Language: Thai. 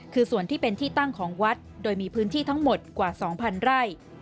คือส่วนที่เป็นที่ตั้งของวัดโดยมีพื้นที่ทั้งหมดกว่า๒๐๐ไร่